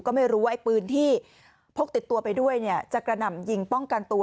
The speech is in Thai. ก็ไม่รู้ว่าไอ้ปืนที่พกติดตัวไปด้วยเนี่ยจะกระหน่ำยิงป้องกันตัว